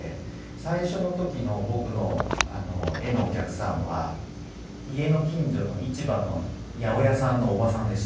最初の時の僕の絵のお客さんは家の近所の市場の八百屋さんのおばさんでした。